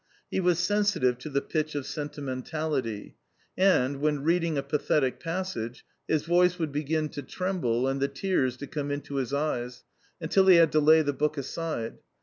He was sensitive to the pitch of sentimentality, and, when reading a pathetic passage, his voice would begin to tremble and the tears to come into his eyes, until he had to lay the book aside.